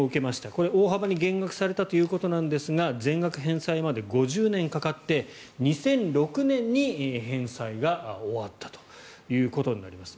これは大幅に減額されたということなんですが全額返済まで５０年かかって２００６年に返済が終わったということになります。